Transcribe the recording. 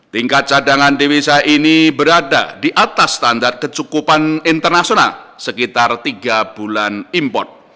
tingkat cadangan devisa ini berada di atas standar kecukupan internasional sekitar tiga bulan import